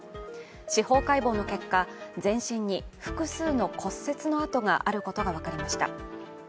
司法解剖の結果、全身に複数の骨折の跡があることが分かりました。